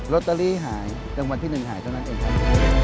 ลอตเตอรี่หายรางวัลที่๑หายเท่านั้นเองครับ